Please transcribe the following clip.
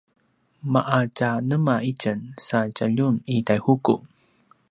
ma’a tja nema itjen sa djaljun i Taihuku?